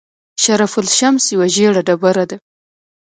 شرف الشمس یوه ژیړه ډبره ده.